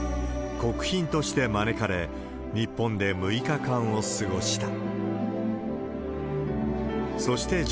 国賓として招かれ、日本で６日間を過ごした。